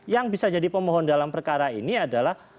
yang bisa jadi pemohon dalam perkara ini adalah